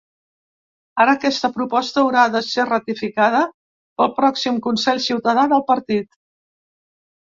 Ara aquesta proposta haurà de ser ratificada pel pròxim consell ciutadà del partit.